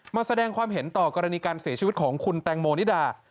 มาแสดงความเห็นต่อกรณีการเสียชีวิตของคุณแตงโมนิดา